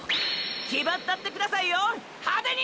キバったってくださいよ派手に！！